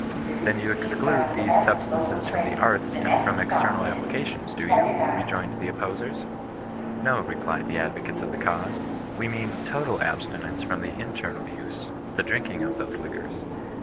" Then you exclude these sub stances from the arts and from external applications, do you ?" rejoined the opposers. " No," replied the advo cates of the cause, " we mean total abstinence from the itUemal use — the drinking of those liquors."